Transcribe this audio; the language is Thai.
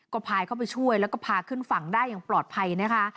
ก็พายเข้าไปช่วยแล้วก็พาขึ้นฝั่งได้อย่างปลอดภัยนะคะ